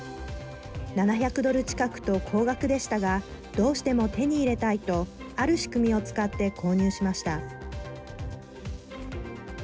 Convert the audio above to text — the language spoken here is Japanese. ７００ドル近くと高額でしたがどうしても手に入れたいとある仕組みを使って購入しました。